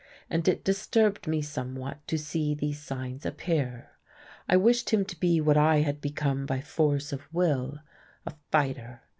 And it disturbed me somewhat to see these signs appear. I wished him to be what I had become by force of will a fighter.